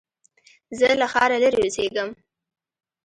زه له ښاره لرې اوسېږم